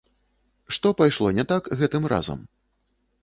Што пайшло не так гэтым разам?